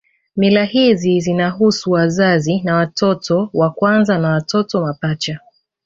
Mila hizi zinahusu wazazi na watoto wa kwanza na watoto mapacha